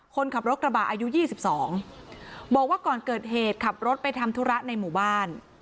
คนขับรถกระบะอายุ๒๒บอกว่าก่อนเกิดเหตุขับรถไปทำธุระในหมู่บ้าน